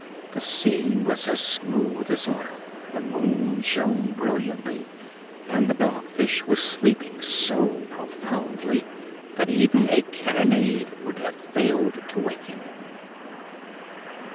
The sea was as smooth as oil, the moon shone brilliantly, and the Dog Fish was sleeping so profoundly that even a cannonade would have failed to wake him.